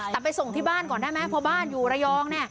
แต่ไปส่งที่บ้านก่อนได้ไหมเพราะบ้านอยู่ระยอง